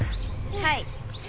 はい。